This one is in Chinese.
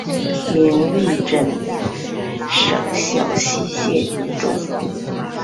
明玉珍省小溪县入州。